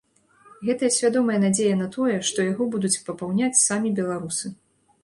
Гэта свядомая надзея на тое, што яго будуць папаўняць самі беларусы.